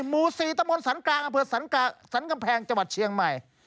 หมู่๔ตะโมนสรรค์กลางอาเผือสรรค์กำแพงจังหวัดเชียงใหม่